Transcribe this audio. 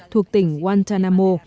thuộc tỉnh guantanamo